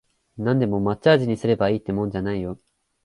なんでも抹茶味にすればいいってもんじゃないよ